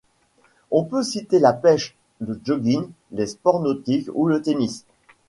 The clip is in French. On peut citer la pêche, le jogging, les sports nautiques ou le tennis.